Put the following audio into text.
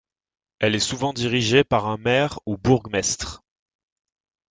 Elle est souvent dirigée par un maire ou bourgmestre.